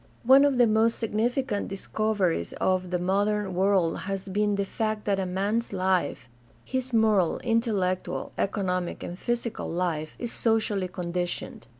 — One of the most significant discoveries of the modern world has been the fact that a man's life — ^his moral, intellectual, economic, and physical life — is socially conditioned.